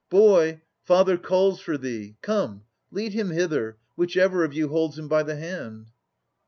Boy, father calls for thee. Come, lead him hither, Whichever of you holds him by the hand.